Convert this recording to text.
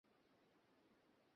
দাই মা কী?